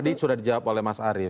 tadi sudah dijawab oleh mas arief